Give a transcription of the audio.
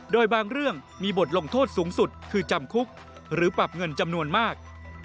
โดยบางเรื่องมีบทลงโทษสูงสุดคือจำคุกหรือปรับเงินจำนวนมาก